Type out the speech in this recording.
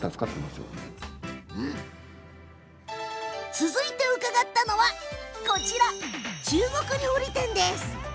続いて伺ったのは中国料理店。